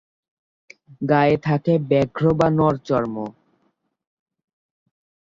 গায়ে থাকে ব্যাঘ্র বা নরচর্ম।